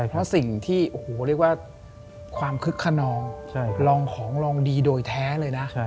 เพราะสิ่งที่ความคึกขนองรองของรองดีโดยแท้เลยนะ